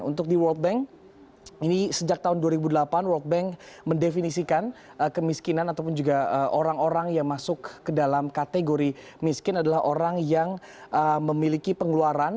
untuk di world bank ini sejak tahun dua ribu delapan world bank mendefinisikan kemiskinan ataupun juga orang orang yang masuk ke dalam kategori miskin adalah orang yang memiliki pengeluaran